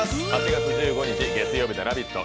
８月１５日月曜日の「ラヴィット！」